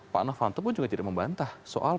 pak navanto pun juga jadi membantah soal